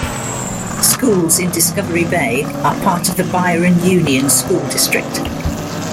Schools in Discovery Bay are part of the Byron Union School District.